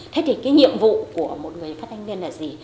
thế thì cái nhiệm vụ của một người phát thanh viên là gì